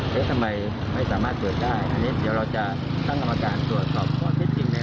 ทำไมไม่สามารถตรวจได้